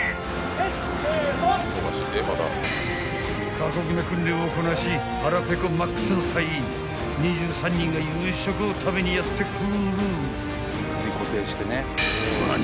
［過酷な訓練をこなし腹ペコマックスの隊員２３人が夕食を食べにやって来る］